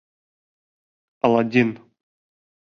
Аладдин: